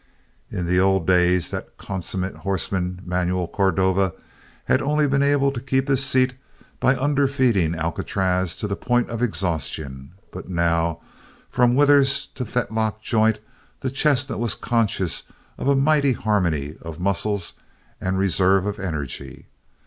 In the old days that consummate horseman, Manuel Cordova, had only been able to keep his seat by underfeeding Alcatraz to the point of exhaustion but now, from withers to fetlock joint, the chestnut was conscious of a mighty harmony of muscles and reserves of energy.